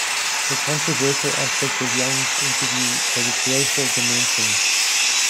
The controversial aspect of Young's interview was its racial dimension.